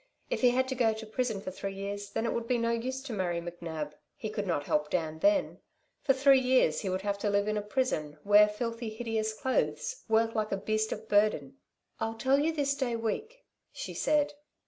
If he had to go to prison for three years, then it would be no use to marry McNab. He could not help Dan then. For three years he would have to live in a prison, wear filthy, hideous clothes, work like a beast of burden. "I'll tell you this day week," she said.